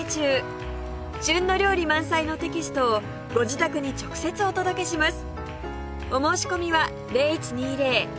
旬の料理満載のテキストをご自宅に直接お届けします